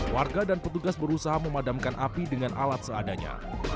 warga dan petugas berusaha memadamkan api dengan alat seadanya